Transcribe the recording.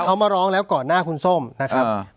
เขามาร้องแล้วก่อนหน้าคุณส้มนะครับ